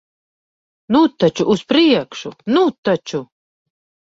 Nu taču, uz priekšu. Nu taču!